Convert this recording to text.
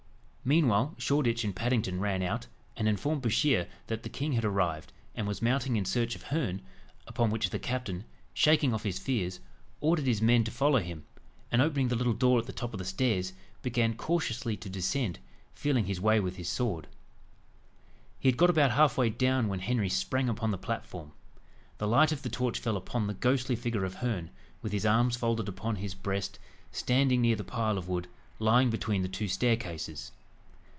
Meanwhile Shoreditch and Paddington ran out, and informed Bouchier that the king had arrived, and was mounting in search of Herne, upon which the captain, shaking off his fears, ordered his men to follow him, and opening the little door at the top of the stairs, began cautiously to descend, feeling his way with his sword. He had got about half way down, when Henry sprang upon the platform. The light of the torch fell upon the ghostly figure of Herne, with his arms folded upon his breast, standing near the pile of wood, lying between the two staircases.